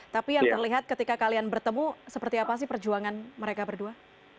tapi yang terlihat ketika kalian bertemu seperti apa sih perjuangan mereka berdua